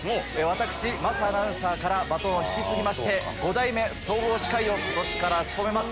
私桝アナウンサーからバトンを引き継ぎまして５代目総合司会を今年から務めます。